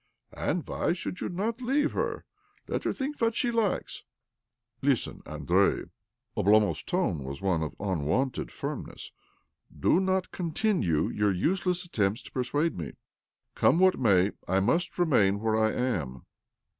" And why should you not leave her? Let her think what she likes !"" Listen, Andrei." Oblomov's tone was one of unwonted firmness. " Do not con tinue your useless attempts to persuade me. Comie what may, I must remain where I am."